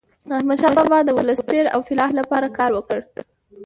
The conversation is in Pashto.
احمد شاه بابا د ولس د خیر او فلاح لپاره کار وکړ.